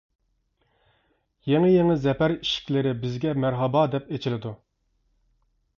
يېڭى-يېڭى زەپەر ئىشىكلىرى بىزگە مەرھابا دەپ ئېچىلىدۇ!